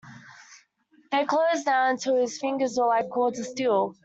They closed now until his fingers were like cords of steel.